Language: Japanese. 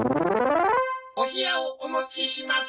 お冷やをお持ちします。